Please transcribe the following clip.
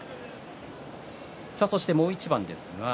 そして、もう一番です。